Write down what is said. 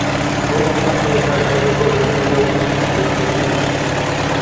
بۇ ئوخشاپ قېلىشلار ھەرگىزمۇ بىر-بىرىنىڭ يىلتىزلىرى ئەمەس.